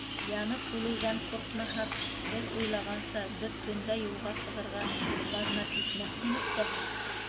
— Янып үлеүҙән ҡурҡмаһаҡ, һеҙ уйлағанса, беҙ төндә юлға сығырға баҙнат итмәҫ инек тәһә.